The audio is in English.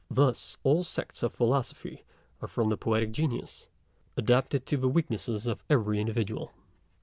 Thus all sects of Philosophy are from the Poetic Genius, adapted to the weaknesses of every individual.